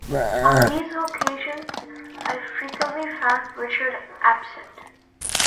On these occasions I frequently found Richard absent.